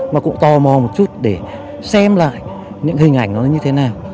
mà cũng tò mò một chút để xem lại những hình ảnh nó như thế nào